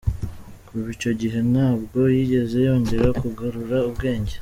Kuva icyo gihe, ntabwo yigeze yongera kugarura ubwenge.